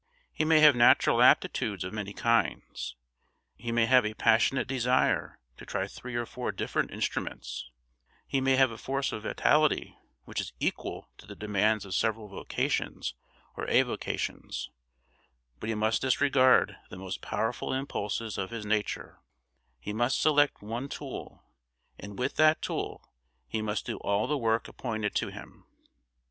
He may have natural aptitudes of many kinds; he may have a passionate desire to try three or four different instruments; he may have a force of vitality which is equal to the demands of several vocations or avocations; but he must disregard the most powerful impulses of his nature; he must select one tool, and with that tool he must do all the work appointed to him.